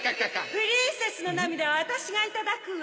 プリンセスの涙はワタシがいただくわ。